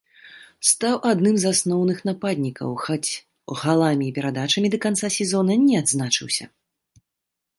Стаў адным з асноўных нападнікаў, хоць галамі і перадачамі да канца сезона не адзначыўся.